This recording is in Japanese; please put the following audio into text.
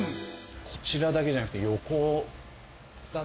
こちらだけじゃなくて。